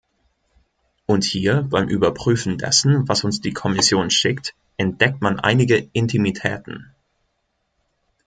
Und hier, beim Überprüfen dessen, was uns die Kommission schickt, entdeckt man einige Intimitäten.